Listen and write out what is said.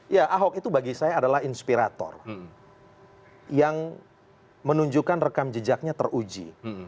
ya ahok itu bagi saya adalah inspirator yang menunjukkan rekam jejaknya teruji